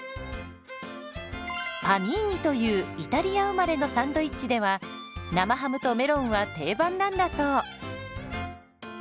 「パニーニ」というイタリア生まれのサンドイッチでは生ハムとメロンは定番なんだそう。